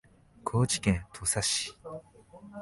高知県土佐市